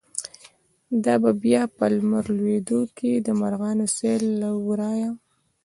“دا به بیا په لمر لویدو کی، د مرغانو سیل له ورایه